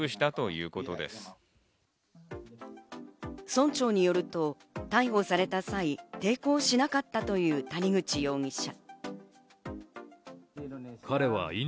村長によると、逮捕された際、抵抗しなかったという谷口容疑者。